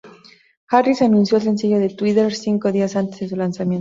Harris anunció el sencillo en Twitter cinco días antes de su lanzamiento.